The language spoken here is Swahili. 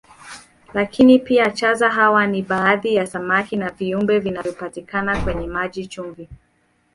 Lakini pia chaza hawa ni baadhi ya samaki na viumbe vinavyopatikana kwenye maji chumvi